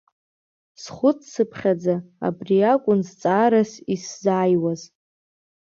Схәыццыԥхьаӡа абри акәын зҵаарас исзааиуаз.